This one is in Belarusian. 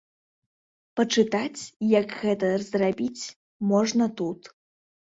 Пачытаць, як гэта зрабіць, можна тут.